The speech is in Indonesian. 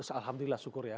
alhamdulillah syukur ya